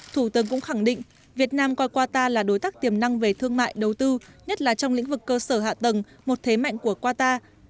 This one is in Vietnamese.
thủ tướng cũng khẳng định việt nam coi qua ta là đối tác tiềm năng về thương mại đầu tư nhất là trong lĩnh vực cơ sở hạ tầng một thế mạnh của qatar